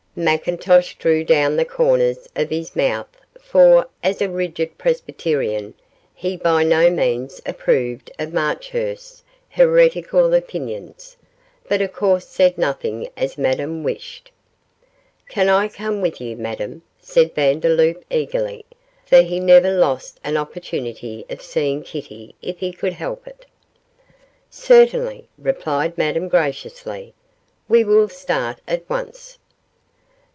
McIntosh drew down the corners of his mouth, for, as a rigid Presbyterian, he by no means approved of Marchurst's heretical opinions, but of course said nothing as Madame wished it. 'Can I come with you, Madame?' said Vandeloup, eagerly, for he never lost an opportunity of seeing Kitty if he could help it. 'Certainly,' replied Madame, graciously; 'we will start at once.